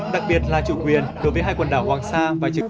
đặc biệt là chủ quyền đối với hai quần đảo hoàng sa và trường sa